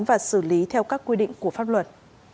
và xử lý theo các quy định của pháp luật